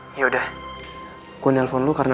manipuler gewoon lainnya